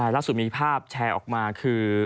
รักษูมีภาพแชร์ออกมาคือ